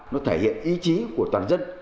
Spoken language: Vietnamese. nó thể hiện ý chí của toàn dân